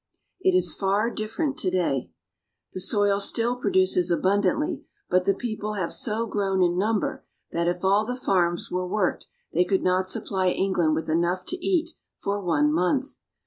It is far different to day. The soil still produces abundantly, but the people have so grown in number that if all the farms were worked they could not supply England with enough to eat for one month.